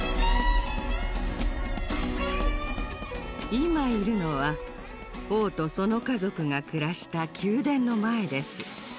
今いるのは王とその家族が暮らした宮殿の前です。